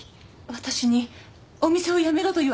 私にお店を辞めろと言われるんですね